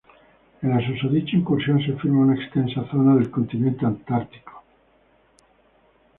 En la susodicha incursión se filma una extensa zona del Continente Antártico.